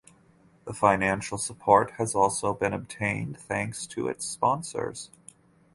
The financial support has also been obtained thanks to its sponsors.